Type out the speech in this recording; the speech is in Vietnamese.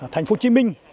thành phố hồ chí minh